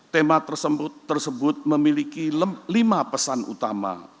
tema tersebut memiliki lima pesan utama